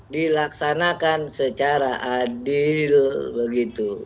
dilaksanakan secara adil begitu